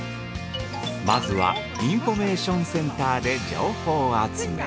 まずはインフォメーションセンターで情報集め。